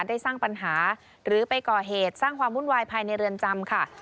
ได้สร้างปัญหาหรือไปก่อเหตุสร้างความวุ่นวายภายในเรือนจำค่ะ